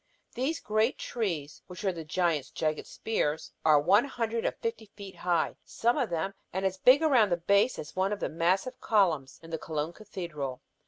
These great trees, which are the giants' jagged spears, are one hundred and fifty feet high, some of them, and as big around at the base as one of the massive columns in the Cologne Cathedral.